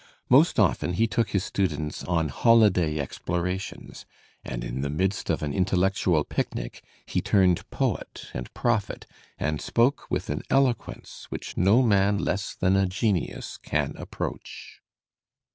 Most often he took his students on holiday explorations, and in the midst of an intellectual picnic he turned poet and prophet and spoke with an eloquence which no man less than a genius can approach.